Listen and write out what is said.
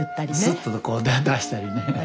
スッとこう出したりね。